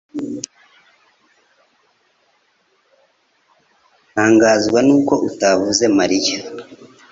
Ntangazwa nuko atavuze Mariya